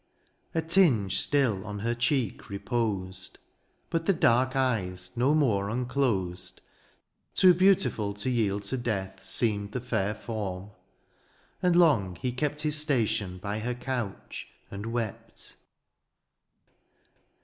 A tinge still on her cheek reposed. But the dark eyes no more unclosed. THE AREOPAGITE. 83 Too beautiful to yield to death Seemed the fedr form ; and long he kept His station by her couch and wept.